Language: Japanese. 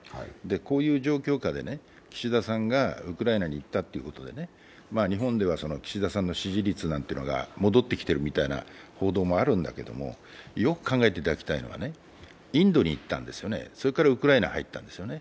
こういう状況下で岸田さんがウクライナに行ったということで、日本では岸田さんの支持率なんてのが戻ってきてるという報道もあるんだけれどもよく考えていただきたいのは、インドへ行ったんですね、それからウクライナに入ったんですよね。